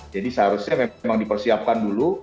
jadi seharusnya memang dipersiapkan dulu